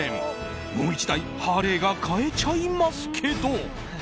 もう１台ハーレーが買えちゃいますけど。